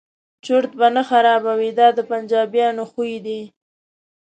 چرت به نه خرابوي دا د پنجابیانو خوی دی.